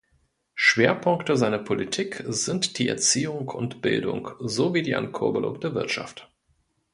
Schwerpunkte seiner Politik sind die Erziehung und Bildung sowie die Ankurbelung der Wirtschaft.